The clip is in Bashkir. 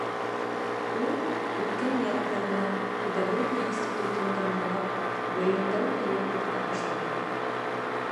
Ул, үткән яҙҙы ғына педагогия институтын тамамлап, быйыл тәүге йыл уҡыта башлағайны.